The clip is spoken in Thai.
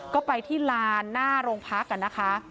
ก็ไปที่ลานหน้าโรงพรรค